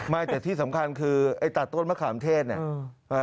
แต่ที่สำคัญคือไอ้ตัดต้นมะขามเทศเนี่ย